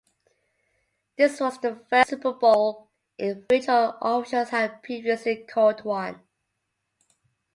This was the first Super Bowl in which all officials had previously called one.